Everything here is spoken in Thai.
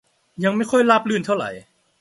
ยังไม่ค่อยราบรื่นเท่าไหร่